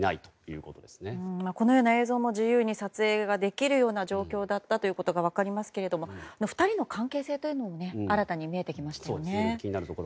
このような映像も自由に撮影ができるような状況だったことが分かりますけれども２人の関係性というのも新たに見えてきましたね。